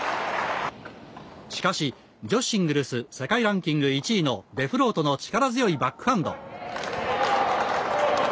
しかし、女子シングルス世界ランキング１位のデフロートの力強いバックハンド。